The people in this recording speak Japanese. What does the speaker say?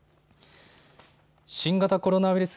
新型コロナウイルス